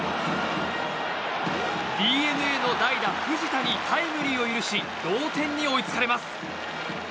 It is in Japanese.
ＤｅＮＡの代打、藤田にタイムリーを許し同点に追いつかれます。